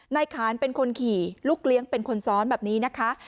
นายขานเป็นคนขี่ลูกเลี้ยงเป็นคนซ้อนแบบนี้นะคะ